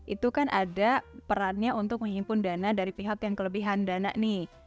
itu kan ada perannya untuk menghimpun dana dari pihak yang kelebihan dana nih